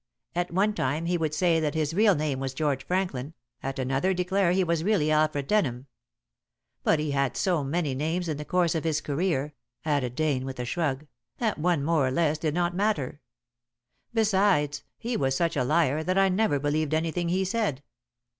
At one time he would say that his real name was George Franklin, at another declare he was really Alfred Denham. But he had so many names in the course of his career," added Dane, with a shrug, "that one more or less did not matter. Besides, he was such a liar that I never believed anything he said."